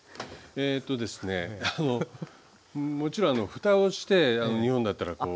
えとですねもちろんあのふたをして日本だったら火を通して。